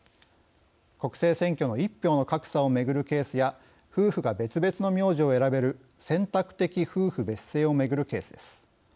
国政選挙の１票の格差をめぐるケースや夫婦が別々の名字を選べる選択的夫婦別姓をめぐるケースです。